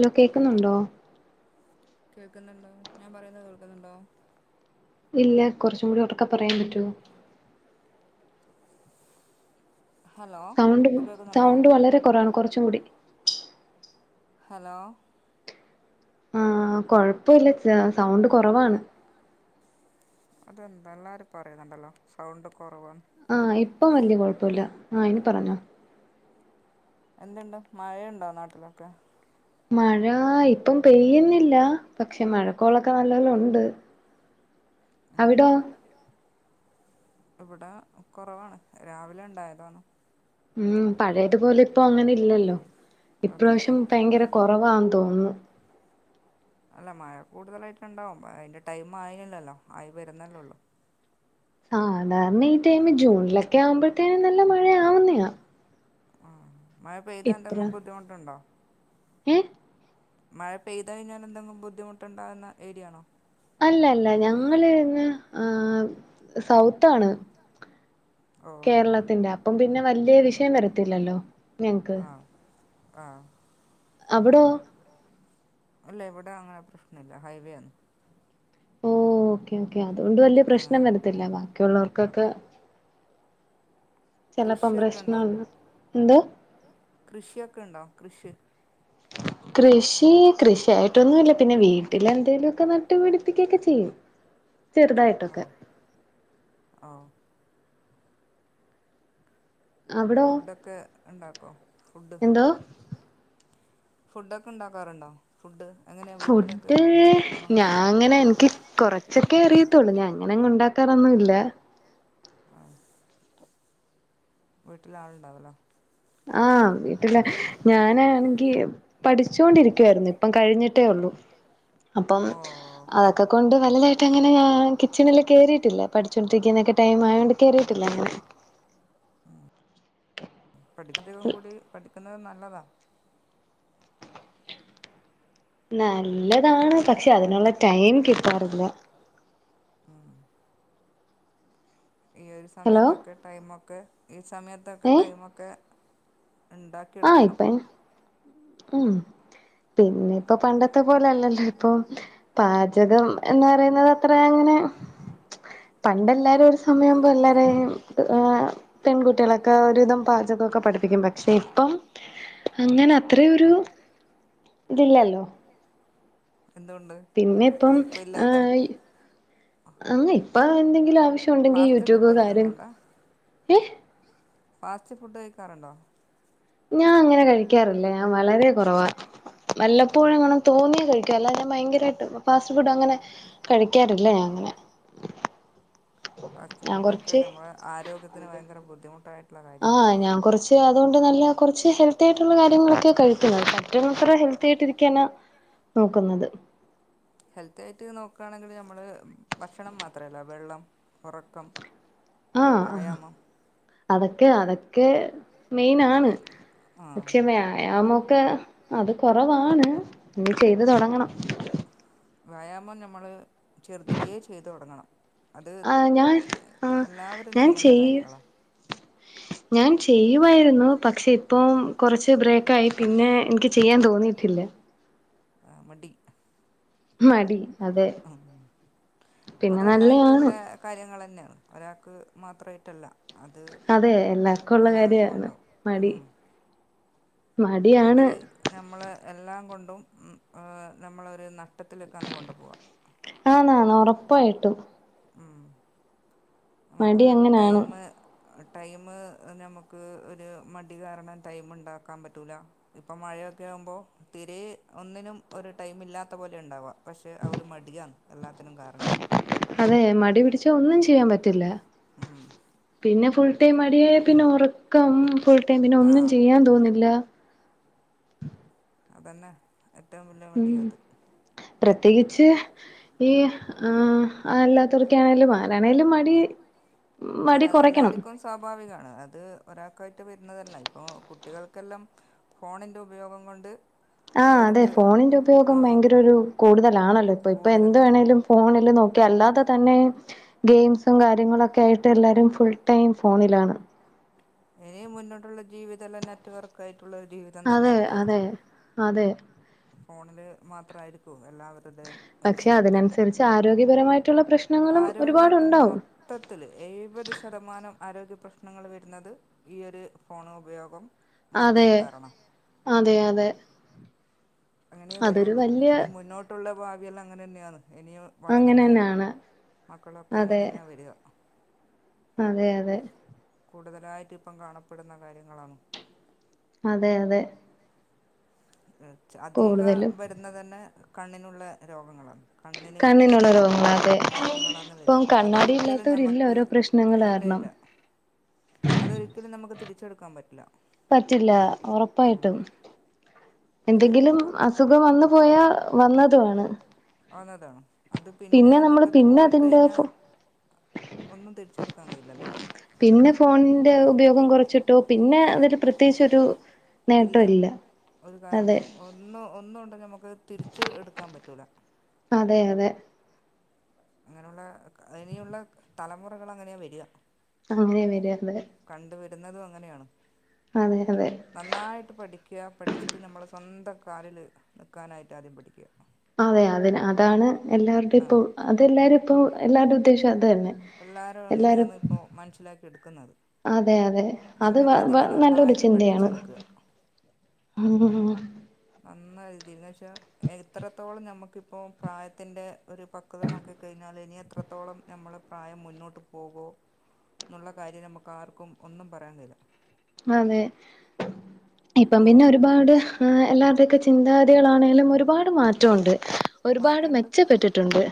Law കേക്കുന്നുണ്ടോ കേൾക്കുന്നുണ്ടോ ഞാൻ പറയുന്ന കേൾക്കുന്നുണ്ടോ? ഇല്ല കൊറച്ചും കൂടി ഒറക്കെ പറയാൻ പറ്റോ സൗണ്ട് സൗണ്ട് വളരെ കൊറവാണ് കൊറച്ചും കൂടി ഹലോ ആഹ് കൊഴപ്പവില്ല സൗണ്ട് കൊറവാണ് അതെന്താ എള്ളാരും പറയുന്നുണ്ടല്ലോ സൗണ്ട് കൊറവ ആഹ് ഇപ്പം വല്യ കൊഴപ്പവില്ല ആഹ് ഇനി പറഞ്ഞോ. എന്ത്‌ണ്ട് മഴയൊണ്ടോ നാട്ടിലൊക്കെ? മഴ ഇപ്പം പെയ്യുന്നില്ല പക്ഷെ മഴക്കോളൊക്കെ നല്ലോലോണ്ട് അവിടോ ഇവിടെ കൊറവാണ് രാവിലെണ്ടായതണ് ഉം പഴെതുപോലെഇ ഇപ്പൊ അങ്ങനെ ഇല്ലല്ലോ ഇപ്രാവശ്യം ഭയങ്കര കുറവാന്ന് തോന്നുന്നു കൂടുതലായിട്ട് ഉണ്ടാവും അതിന്റെ ടൈം ആയില്ലല്ലോ ആയി വരുന്നല്ലോള്ളു ആഹ് നാർണെ ഈ ടൈമ് ജൂണിലെക്കെ ആമ്പോഴ്ത്തേന് നല്ല മഴ ആവുന്നയ മഴ പെയ്താ എന്തെങ്ക് ബുദ്ധിമുട്ടുണ്ടോ ഹേ മഴ പെയ്ത കഴിഞ്ഞാൽ എന്തെങ്കിലും ബുദ്ധിമുട്ടുണ്ടാവുന്ന ഏരിയാണോ അല്ല അല്ല ഞങ്ങളെ ഇങ്ങ് സൗത്താണ്. കേരളത്തിന്റെ അപ്പം പിന്നെ വലിയ വിഷയം വരത്തില്ലല്ലോ ഞങ്ങക്ക് ആഹ് അവിടോ അല്ല ഇവിടെ അങ്ങനെ പ്രശ്ന ഇല്ല ഹൈവേയാന്ന് ഓ ഓക്കെ ഓക്കെ അതുകൊണ്ട് വലിയ പ്രശ്നം വരത്തില്ല ബാക്കിയുള്ളവർക്കൊക്കെ ചിലപ്പം പ്രശ്നം ആണ് എന്തോ കൃഷിയൊക്കെ ഉണ്ടോ കൃഷി കൃഷി കൃഷിയായിട്ടൊന്നുമല്ല പിന്നെ വീട്ടില എന്തേലുമൊക്കെ നട്ടു ട്ടു പിടിപ്പിക്ക ഒക്കെ ചെയ്യും ചെറുതായിട്ടൊക്കെ ഫുഡൊക്കെ ഉണ്ടാക്കോ ഫുഡ് ഫുഡ ഒക്കെ ഉണ്ടാക്കാറുണ്ടോ ഫുഡ് ഫുഡ് ഞാൻ അങ്ങനെ എനിക്ക് കൊറച്ചൊക്കെ അറിയ ത്തോുള്ളൂ ഞാൻ അങ്ങനെ അങ്ങ് ഉണ്ടാക്കാറൊന്നും ഇല്ല ആഹ വീട്ടില ആളുണ്ടാവലോ ആഹ് വീട്ടില ഞാനാണെങ്കി പഠിച്ചുൊണ്ടിരിക്കുവായിരുന്നു അപ്പം കഴിഞ്ഞിട്ടേ ഉള്ളൂ അപ്പം അതൊക്കെ കൊണ്ട് വലുതായിട്ട് അങ്ങനെ കിച്ചണില് കേറിട്ട് ട്ടില്ല പഠിച്ചൊണ്ടിരിക്കുന്നൊക്കെ ടൈം ആയോണ്ട് കേയറിയിട്ടില്ല അങ്ങനെ പഠിക്കധികം കൂടി പഠിക്കുന്നത് നല്ലതാ നല്ലതാണ് പക്ഷെ അതിനുള്ള ടൈം കിട്ടാറില്ല ഈ ഒരു സമയത്തൊക്കെ ടൈമ ഒക്കെ ഈ സമയത്തൊക്കെ ടൈമ ഒക്കെ ഉണ്ടാക്കിയെടുക്കണം ഉഓ പിന്നെ ഇപ്പൊ പണ്ടത്തെ പോലെല്ലല്ലോ ഇപ്പൊ പാചകം എന്ന് പറയുന്നത് അത്ര അങ്ങനെ നെ പണ്ടെല്ലാരും ഒരു സമയ ആവുമ്പോ എല്ലാരേ പെൺകുട്ടികളൊക്കെ ഒരുവിധം പാചകംൊക്കെ പഠിപ്പിക്കും പക്ഷേ അപ്പം അങ്ങനെ അത്രൊരു ഇതില്ലല്ലോ പിന്നെ ഇപ്പം അ ഇപ്പ എന്തെങ്കിലും ആവശ്യ ഉണ്ടെങ്കി യൂട്യൂബ് കാര്യം ഏ ഫാസ്റ്റ് ഫുഡ് കഴിക്കാറുണ്ടോ ഞാൻ അങ്ങനെ കഴിക്കാറില്ലേ ഞാൻ വളരെ കുറവാ വല്ലപ്പോഴും ഇങ്ങണം തോന്നിയാ കഴിക്ക ല്ലാരും ഭയങ്കരായിട്ട് ഫാസ്റ്റ് ഫുഡ് അങ്ങനെ കഴിക്കാറില്ല ഞാൻ അങ്ങനെ ഫാസ്റ്റ് ഫുഡ ഒക്കെ നമ്മെ ആരോഗ്യത്തിന് ഭയങ്കര ബുദ്ധിമുട്ടായിട്ട് ആഹ് ഞാൻ കുറച്ച് അതുകൊണ്ട് നല്ല കുറച്ച് ഹെൽത്തി ആയിട്ടുള്ള കാര്യങ്ങളൊക്കെ കഴിക്ക പറ്റുന്നത്ര ഹെൽത്തി ആയിട്ടിരിക്കാന നോക്കുന്നത് ഹെല്ത്തി ആയിട്ട് നോക്കുകയാണെങ്കില് നമ്മള് ഭക്ഷണം മാത്രല്ല വെള്ളം ഉറക്കം വ്യായാമം അതൊക്കെ അതൊക്കെ മെയിനാണ് പക്ഷേ വ്യായാമൊ ക്ക അത് കൊറവാണ് ഞ്ഞി ചെയ്ത് തൊടങ്ങണം വ്യായാമം ഞമ്മള് ചെറ്തിലേ ചെയ്ത് തൊടങ്ങണം ആ ഞാൻ ആ ഞാൻ ചെ ഞാൻ ചെയ്യുവായിരുന്നു പക്ഷെ ഇപ്പോം കൊറച്ച് ബ്രേക്കായി പിന്നെ എനിക്ക് ചെയ്യാൻ തോന്നി ട്ടില്ല ആ മടി മടി ഉം അതെല്ലാര്ക്കുള്ള കാര്യങ്ങളെന്നാണ് ഒരാക്ക് മാത്രായിട്ടല്ല അതെ എല്ലാർക്കുള്ള കാര്യാണ് മടി മടി നമ്മളെ എല്ലാം കൊണ്ടും ഉം ഏഹ് നമ്മളെരു ന ട്ടത്തിലേക്കാന്ന് കൊണ്ട് പോവാ ഒറപ്പായിട്ടും മ്മുക്ക് ടൈമ്മ് ടൈമ്മ് നമുക്ക് ഒരു മടി കാരണം ടൈമ്മ്ണ്ടാക്കാൻ പറ്റൂല ഇപ്പം മഴ യൊക്കെയാവുമ്പോ തീരെ ഒന്നിനും ഒരു ടൈമ് ഇല്ലാത്ത പോലെ ഇണ്ടാവാ പക്ഷെ ആ ഒര് മടിയാന്ന് അത് എല്ലാത്തിനും കാരണം അതെ മടി പിടിച്ചാ ഒന്നും ചിയ്യാൻ പറ്റില്ല ഉം പിന്നെ ഫുൾ ടൈം മടിയായ പിന്നെ ഒറക്കം ഫുൾ ടൈം പിന്നെ ഒന്നും ചെയ്യാൻ തോന്നില്ല അതന്നെ ഏറ്റവും വല്യ മടിയത് പ്രത്യേകിച്ച് ഈ ആ ആളില്ലാത്തോറൊക്കെണേലും ആരാണേലും മടി അതെ അതെല്ലാര്ക്കും സ്വാഭാവികാണ് അത് ഒരാക്കായിട്ട് വരുന്നതല്ല ഇപ്പോ കുട്ടികൾക്കെല്ലാം ഫോണിൻ്റെ ഉപയോഗം കൊണ്ട് ആ അതെ ഫോണിന്റെ ഉപയോഗം ഭയങ്കര ഒരു കൂടുതലാണല്ലോ ഇപ്പൊ ഇപ്പൊ എന്ത് വേണെേലും ഫോണില് നോ ക്കി അല്ലാത തന്നെ ഗെയിംസും കാര്യങ്ങളൊക്കെ ആയിട്ട് എല്ലാരും ഫുൾടൈം ഫോണിലാണ് ഇനി മുന്നോട്ടുള്ള ജീവിതെല്ലാം നെറ്റ് വർക്ക് ആയിട്ടുള്ള ഒരു ജീവിതം തന്നെ വര്യ അതെ ഫോണില് മാത്ര ആയിരിക്കോ പക്ഷെ അതിനനുസരിച്ച് ആരോഗ്യപരമായിട്ടുള്ള പ്രശ്നങ്ങളും ഒരുപാടുണ്ടാവും മൊത്തത്തില് ഏഴ്പത് ശതമാനം ആരോഗ്യ പ്രശ്നങ്ങള് വരുന്നത് ഈ ഒര് ഫോണ് ഉപയോഗം അതെ അതെ അതെ അങ്ങനേ വരുള്ളൂ ഇനി മുന്നോട്ടുള്ള ഭാവിയെല്ലാം അങ്ങനെന്നാന്ന് എനിയും വളരുന്ന മക്കളൊക്കെ അങ്ങനെന്ന വരിക അതെ അതെ കൂടുതലായിട്ട് ഇപ്പം കാണപ്പെടുന്ന കാര്യങ്ങളാണ് അതെ അതെ ച അധിക വരുന്നതന്നെ കണ്ണിനുള്ള രോഗങ്ങളാണ് കണ്ണിനുള്ള രോഗങ്ങള് അതെ ഇപ്പം കണ്ണാടി ഇല്ലാത്തവരില്ല ഓരോ പ്രശ്നങ്ങളാ ഏ ഇല്ല [inaudible] അതൊരിക്കലും നമുക്ക് തിരിച്ചെടുക്കാൻ പറ്റില്ല പറ്റില്ല ഒറപ്പായിട്ടും എന്തെങ്കിലും അസുഖം വന്നുപോയാ വന്നതും ആണ് ആന്നതാ അത് പിന്നെ നമ്മക്കത് പോയി കഴിഞ്ഞാ പിന്നെ ഫോണിന്റെ ഉപയോഗം കൊറച്ചിട്ടോ പിന്നെ അതില് പ്രത്യേകിച്ചൊരു ഇല്ല ഒരു കാരണം ഒന്ന് ഒന്നുണ്ടും നമ്മുക്ക് തിരിച്ച് എടുക്കാൻ പറ്റൂല അതെ അതെ അങ്ങനെയുള്ള ഇനിയുള്ള തലമുറകൾ അങ്ങനെയാ വരിയ അങ്ങനെ വര അത് കണ്ട വരുന്നതും അങ്ങനെയാണ് നന്നായിട്ട് പഠി ക്കുക പഠിച്ചിട്ട് നമ്മളെ സ്വന്തം കാലില് നിക്കാനായിട്ട് ആദ്യം പഠിക്ക അതെ അതിന് അതാണ് എല്ലാവരുടെ ഇപ്പോ അതെല്ലാരും ഇപ്പോ എല്ലാരുടെ ഉദ്ദേശം അതാ എല്ലാരും എങ്ങനെയാണ് ഇപ്പോ മനസ്സിലാക്കി എടുക്കുന്നത് അതെ അതെ അത് വവ നല്ലൊരു ചിന്തയാണ് ആഹ് അന്ന രീതിയിൽന്ന് വെച്ചാ എത്രത്തോളം നമ്മുക്കിപ്പോ പ്രായത്തിന്റെ ഒരു പക്വത നോക്കിക്കഴിഞ്ഞാ ഇനി എത്രത്തോളം നമ്മള പ്രായം മുന്നോട്ട് പോകോ എന്നുള്ള കാര്യം നമുക്ക് ആർക്കും ഒന്നും പറയാൻകഴിയുല്ല അതെ ഇപ്പം പിന്നെ ഒരുപാട് ഏഹ് എല്ലാവരുടെക്കെ ചിന്ത ട്ടികളാണേലും ഒരുപാട് മാറ്റോണ്ട് ഒരുപാട് മെച്ചപ്പെട്ടിട്ടുണ്ട്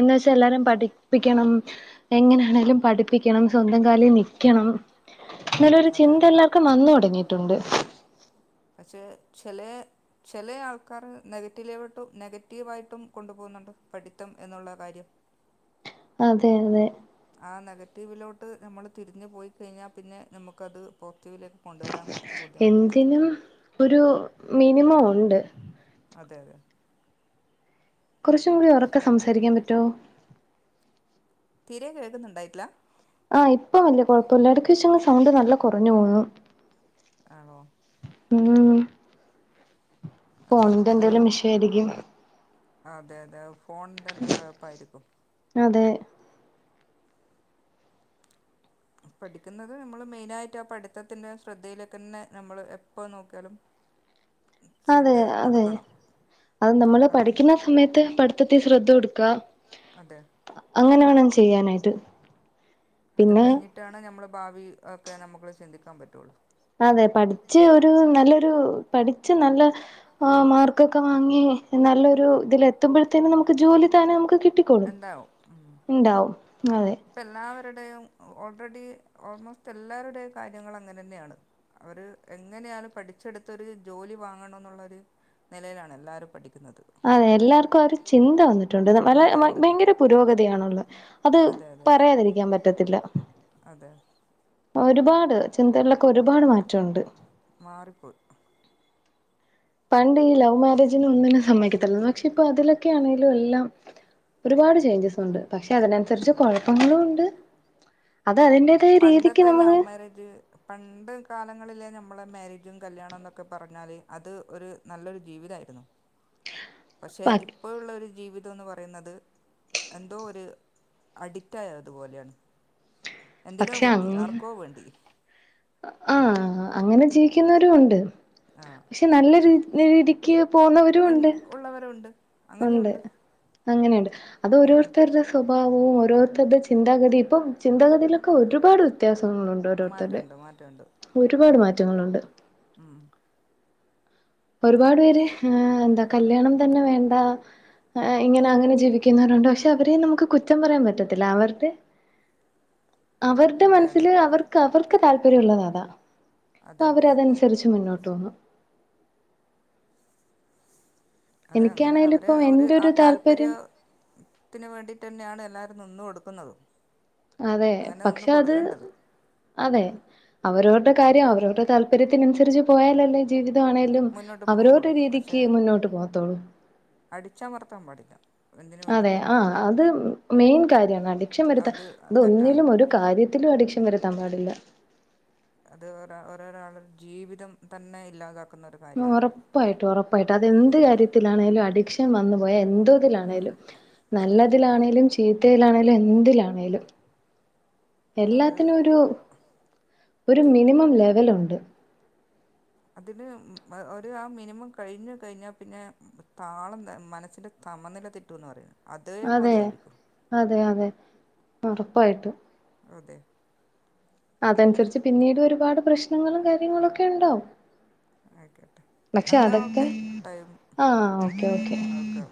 എന്ന് വച്ചാ എല്ലരും പഠിപ്പിക്കണം എങ്ങനെയാണെങ്കിലും പഠിപ്പിക്കണം സ്വന്തം കാലിൽ നിക്കണം നല്ലൊരു ചിന്ത എല്ലർക്കും വന്ന് തുടങ്ങിട്ടുണ്ട് ചെലേ ചെലേ ആൾക്കാര് നെഗറ്റീവിലേട്ടും നെഗറ്റീവായിട്ടും കൊണ്ടു പോകുന്നുണ്ട് പഠിത്തം എന്നുള്ള കാര്യം അതെ അതെ ആ നെഗറ്റീവിലോട്ട് നമ്മള് തിരിഞ്ഞു പോയി കഴിഞ്ഞാ പിന്നെ നമുക്കത് പോക് എന്തിനും ഒരു മിനിമം ഒണ്ട് അതെ അതെ കുറച്ചും കൂടി ഒറക്കെ സംസാരിക്കാൻ പറ്റോ തീരെ കേൾക്കുന്നുണ്ടായിട്ടില്ല ആഹ് ഇപ്പം വല്യ കൊഴപ്പില്ല ഇടക്ക് വെച്ച് സൗണ്ട് നല്ല കുറഞ്ഞു പോകുന്നു ആണോ ഉം ഫോണിന്റെ എന്തെലും വിഷയാരിക്കും എഹ് ഫോണിന്റെ എന്തേം കൊഴപ്പാരിക്കും പഠിക്കുന്നത് നമ്മള് മെയിനയിട്ട് ആ പഠിത്തത്തിന്റെ ശ്രദ്ധയിലേക്കന്നെ നമ്മള് എപ്പോ നോക്കിയാലും അതെ അതെ അത് നമ്മള് പഠിക്കുന്ന സമയത്ത് പഠിത്തത്തിൽ ശ്രദ്ധ കൊടുക്കുക തെ ചെയ്യാനായിട്ട് പിന്നെ ഭാവി ഒക്കെ നമുക്ക്ള് ചിന്തിക്കാൻ പറ്റുള്ളൂ അതെ പഠിച്ച് ഒരു നല്ലൊരു പഠിച്ച് നല്ല ആഹ് മാർക്കൊക്കെ വാങ്ങി നല്ലൊരു ഇതിലെത്തുമ്പോഴത്തേനും നമുക്ക് ജോലി തന്നെ നമുക്ക് കിട്ടിക്കൊളും ഉണ്ടാവും ഇപ്പ എല്ലാവരുടെയും ഓൾറെഡി ഓൾമോസ്റ്റ് എല്ലാവരുടെയും കാര്യങ്ങള് അങ്ങനെ തന്നെയാണ് അവര് എങ്ങനെയാലും പഠിച്ചെടുത്തൊരു ജോലി വാങ്ങണം എന്നുള്ളരു നിലയിലാണ് എല്ലാരും പഠി ആ എല്ലാവർക്കും ആ ഒരു ചിന്ത വന്നിട്ടുണ്ട് വല്ല വാ ഭയങ്കര പുരോഗതിയാണുള്ളത് അത് പറയാതിരിക്കാൻ പറ്റത്തില്ല ഒരുപാട് ചിന്തകള് ഒരുപാട് മാറ്റഉണ്ട് പണ്ട് ഈ ലവ് മാരേജിന് ഒന്നിനും സമ്മതിക്കത്തില്ല പക്ഷെ ഇപ്പ അതിലൊക്കൊണെലും എല്ലാം ഒരുപാട് ചേഞ്ചസ്ണ്ട് പക്ഷെ അതിനനുസരിച്ച് കുഴപ്പങ്ങളും ഉണ്ട് പണ്ടത്തെ ലൗ മാരേജ് പണ്ട് കാലങ്ങളിലേ ഞമ് നമ്മളുടെ മാര്യേജും കല്യാണോ എന്നൊക്കെ പറഞ്ഞാല് അത് ഒരു നല്ലൊരു ജീവിതാരുന്നു പക്ഷെ ഇപ്പോ ഉള്ള ഒരു ജീവി തോന്ന് പറയുന്നത് എന്തോ ഒരു അഡിക്റ്റായ അതുപോലെണ് എന്തിനോ വേണ്ടി ആർക്കോ വേണ്ടി ആഹ് അങ്ങനെ ജീവിക്കുന്നവരും ഉണ്ട്. പക്ഷെ നല്ല രീ രീതിക്ക് പോവുന്നവരും ഉണ്ട്. അങ്ങനെയും ഉണ്ട്. അങ്ങനെയും ഉണ്ട് അത് ഓരോരുത്തരുടെ സ്വഭാവവും ഓരോരുത്തരുടെ ചിന്താഗതി ഇപ്പം ചിന്താഗതിയിലൊക്കെ ഒരുപാട് വത്യാസം ങ്ങളുണ്ട് ഓരോരുത്തരുടെ ഒരുപാട് മാറ്റങ്ങളുണ്ട്. ഒരുപാട് പേര് ഏ എന്താ കല്യാണം തന്നെ വേണ്ട ഏ ഇങ്ങനെ അങ്ങനെ ജീവിക്കുന്നവരുണ്ട് പക്ഷെ അവരെം നമുക്ക് കുറ്റം പറയാൻ പറ്റത്തില്ല അവരുടെ അവരുടെ മനസ്സില് അവർക്ക് അവർക്ക് താല്പര്യം ഉള്ളത് അത. അപ്പ അവരതനുസരിച്ച് മുന്നോട്ടോപോന്നു. അതെ അങ്ങനെ അവര് ഒരു ആ താല്പര്യത്തിന് വേണ്ടിട്ടെന്നെയാണ് എല്ലാരും നിന്ന് കൊടുക്കുന്നതും. അതെ പക്ഷെ അത് അതെ അവരോരുടെ കാര്യം അവരോരുടെ താല്പര്യത്തിനനുസരിച്ച് പോയാലല്ലേ ജീവി തം ആണേലും അവരോരുടെ രീതിക്ക് മുന്നോട്ട് പോവത്തോള്ളൂ. അടിച്ചമർത്താൻ പാടില്ല. അതെ ആ അത് മെയിൻ കാര്യാണ് അടിക്ഷൻ വരുത്താൻ ഇതൊന്നിലും ഒരു കാര്യ ത്തിലും അടിക്ഷൻ വരുത്താൻ പാടില്ല. അത് ഒരാ ഓരോരാളെ ജീവിതം തന്നെ ഇല്ലാതാക്കും ഉം ഒറപ്പായിട്ടും ഒറപ്പായിട്ടും അതെന്ത് കാര്യത്തിലാണേലും അഡിക്ഷൻ വന്ന് പോയ എന്ത്തിലാണെലും നല്ലതിലാണെലും ചിത്തേയിലാണേലും എന്തിലാണേലും എല്ലാത്തിനും ഒരു ഒരു മിനിമം ലെവലുണ്ട്. അതിന് മും ഏ ഒരു ആ മിനിമം കഴിഞ്ഞു കഴിഞ്ഞ പിന്നെ താളം ഏ മനസ്സിന്റെ താളം സമനില തെറ്റൂന്ന പറയുന്നത്. അതെ അതെ അതെ ഉറപ്പായിട്ടും. അതെ അതനുസരിച്ച് പിന്നീട് ഒരുപാട് പ്രശ്നങ്ങളും കാര്യങ്ങളൊക്കെ ഉണ്ടാവും. എന്നാ ഓക്കെ ടൈം ഓക്കെ